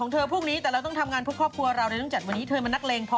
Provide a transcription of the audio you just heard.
เธอพวกนี้แต่เราต้องทำงานเพื่อครอบครัวเราเลยต้องจัดวันนี้เธอเป็นนักเลงพอ